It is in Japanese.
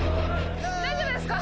大丈夫ですか？